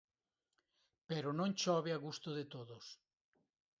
Pero non chove a gusto de todos.